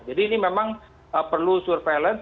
jadi ini memang perlu surveillance